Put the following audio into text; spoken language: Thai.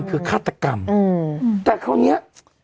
แต่ตอนที่นี้